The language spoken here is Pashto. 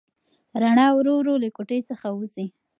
رڼا ورو ورو له کوټې څخه وځي.